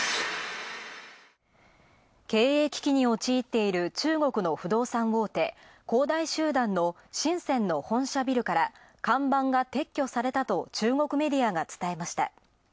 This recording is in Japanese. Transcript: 経営危機に陥っている、中国の不動産大手、恒大集団の深センの本社ビルから看板が撤去されたと中国メディアが伝えました。